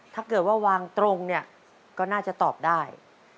ถ้าเกิดว่าวางตรงเนี่ยก็น่าจะตอบได้